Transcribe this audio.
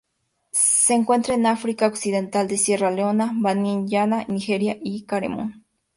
Se encuentra en África occidental de Sierra Leona Benín Ghana Nigeria y Camerún.